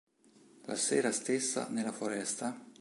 La sera stessa, nella foresta.